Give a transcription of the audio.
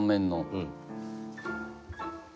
うん。